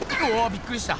びっくりした。